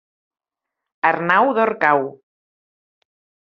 Arnau d'Orcau.